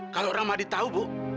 kalau ramadi tau bu